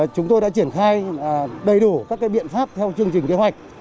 chúng tôi đã triển khai đầy đủ các biện pháp theo chương trình kế hoạch